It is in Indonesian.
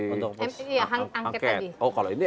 angket oh kalau ini